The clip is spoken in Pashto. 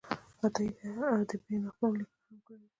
عطایي د ادبي نقدونو لیکنه هم کړې ده.